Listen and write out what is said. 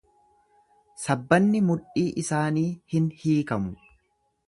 Sabbanni mudhii isaanii hin hiikamu.